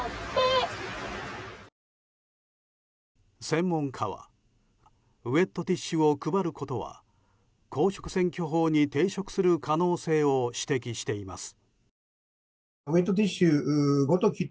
専門家はウェットティッシュを配ることは公職選挙法に抵触する可能性を指摘しています。